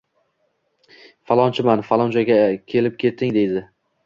«Falonchiman, falon joyga kelib keting», deydi.